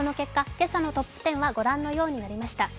今朝のトップ１０はご覧のようになりました。